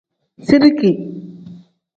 Zirigi.